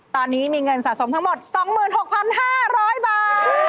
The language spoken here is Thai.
ตอนนี้มีเงินสะสมทั้งหมด๒๖๕๐๐บาท